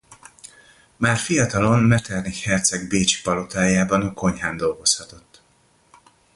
Már fiatalon Metternich herceg bécsi palotájában a konyhán dolgozhatott.